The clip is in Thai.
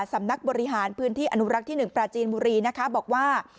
สำนักบริหารพื้นที่อนุรักษ์ที่๑ปราจีนบุรีนะคะบอกว่า